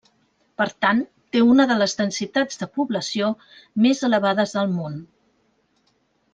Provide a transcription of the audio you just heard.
Per tant, té una de les densitats de població més elevades del món.